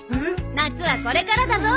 夏はこれからだぞ！